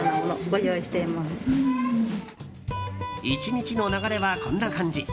１日の流れはこんな感じ。